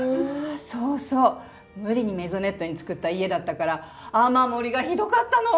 そうそう無理にメゾネットに作った家だったから雨漏りがひどかったの。